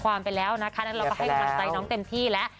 เรามาให้ขอบใจน้องเต็มที่แล้ว